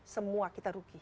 semua kita rugi